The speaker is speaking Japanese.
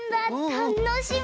たのしみ！